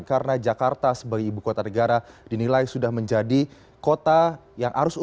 karena jakarta sebagai ibu kota negara dinilai sudah menjadi kota yang harus unggul